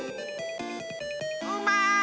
うまい！